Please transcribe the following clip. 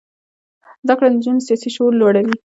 زده کړه د نجونو سیاسي شعور لوړوي.